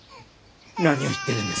何を言ってるんです。